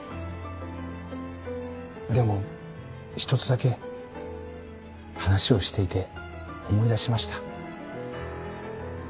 でも一つだけ話をしていて思い出しました。